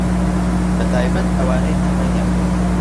بەتایبەت ئەوانەی تەمەنیان هەیە